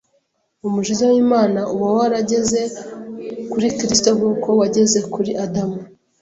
Umujinya w’Imana uba warageze kuri Kristo nk’uko wageze kuri Adamu